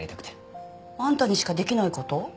あんたにしかできない事？